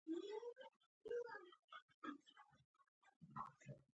ازادي راډیو د د بیان آزادي اړوند مرکې کړي.